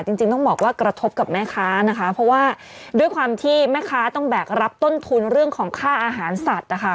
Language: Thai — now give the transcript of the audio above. จริงจริงต้องบอกว่ากระทบกับแม่ค้านะคะเพราะว่าด้วยความที่แม่ค้าต้องแบกรับต้นทุนเรื่องของค่าอาหารสัตว์นะคะ